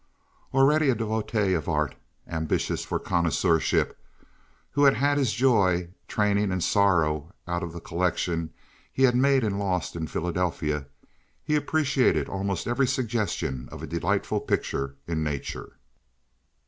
Already a devotee of art, ambitious for connoisseurship, who had had his joy, training, and sorrow out of the collection he had made and lost in Philadelphia, he appreciated almost every suggestion of a delightful picture in nature.